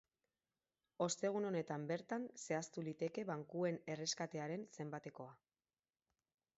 Ostegun honetan bertan zehaztu liteke bankuen erreskatearen zenbatekoa.